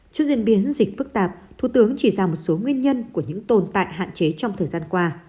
trước diễn biến dịch phức tạp thủ tướng chỉ ra một số nguyên nhân của những tồn tại hạn chế trong thời gian qua